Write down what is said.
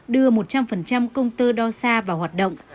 đưa một trăm linh công tơ đo xa vào hoạt động